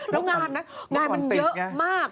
แล้วงานบะยาละละคลังใยมันเยอะมาก